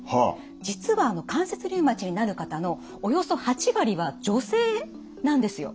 実は関節リウマチになる方のおよそ８割は女性なんですよ。